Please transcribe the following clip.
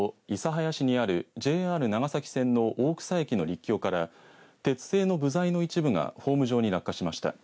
諫早市にあるＪＲ長崎線の大草駅の陸橋から鉄製の部材の一部がホーム上に落下しました。